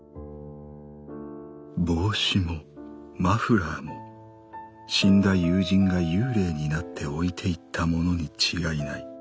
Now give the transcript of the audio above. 帽子もマフラーも死んだ友人が幽霊になって置いていったものに違いない。